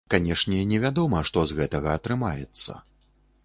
Канешне, невядома, што з гэтага атрымаецца.